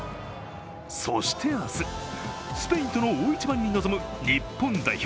そして、明日、スペインとの大一番に臨む日本代表。